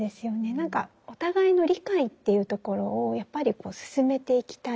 何かお互いの理解っていうところをやっぱり進めていきたい。